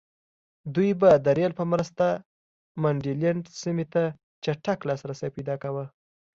دوی به د رېل په مرسته منډلینډ سیمې ته چټک لاسرسی پیدا کاوه.